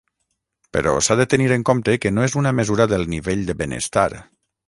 Però s'ha de tenir en compte que no és una mesura del nivell de benestar.